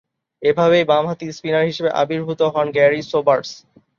এভাবেই বামহাতি স্পিনার হিসেবে আবির্ভূত হন গ্যারি সোবার্স।